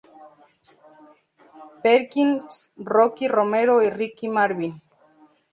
Perkins, Rocky Romero y Ricky Marvin.